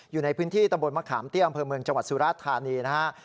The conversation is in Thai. อยู่ในพื้นที่ตำบลมะขามเตี้ยอำเภอเมืองจังหวัดสุราธานีนะฮะ